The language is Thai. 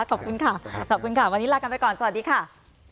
ขอบคุณค่ะขอบคุณค่ะวันนี้ลากันไปก่อนสวัสดีค่ะ